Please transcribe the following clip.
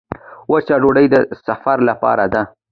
وچه ډوډۍ د سفر لپاره ده.